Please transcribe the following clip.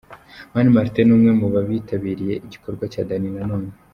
Mani Martin ni umwe mu bitabiriye iki gikorwa cya Dany Nanone.